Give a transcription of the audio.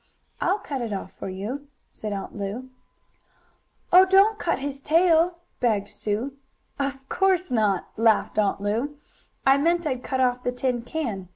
"I'll cut it off for you," said Aunt Lu. "Oh, don't cut off his tail!" begged Sue. "Of course not!" laughed Aunt Lu. "I meant I'd cut off the tin can.